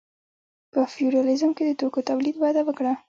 په فیوډالیزم کې د توکو تولید وده وکړه.